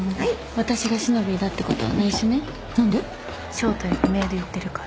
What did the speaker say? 正体不明で売ってるから。